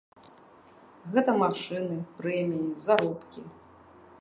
Гэта машыны, прэміі, заробкі.